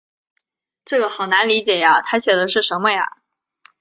这个好难理解呀，她写的是什么呀？